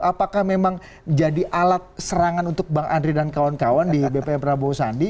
apakah memang jadi alat serangan untuk bang andri dan kawan kawan di bpn prabowo sandi